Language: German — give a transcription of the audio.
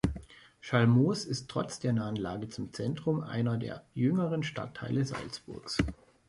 Schallmoos ist trotz der nahen Lage zum Zentrum einer der jüngeren Stadtteile Salzburgs.